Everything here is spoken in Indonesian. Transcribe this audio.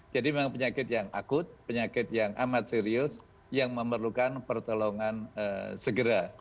jadi memang penyakit yang akut penyakit yang amat serius yang memerlukan pertolongan segera